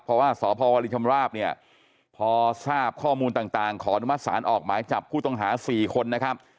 เพราะว่าสพวรินชำราบเนี่ยพอทราบข้อมูลต่างขออนุมัติศาลออกหมายจับผู้ต้องหา๔คนนะครับ